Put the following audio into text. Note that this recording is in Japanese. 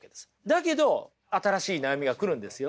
だけど新しい悩みが来るんですよね。